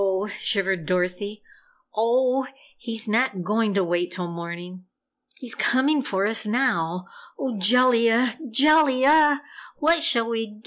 shivered Dorothy. "Oh he's not going to wait till morning! He's coming for us now! Oh, Jellia, JELLIA what shall we DO?"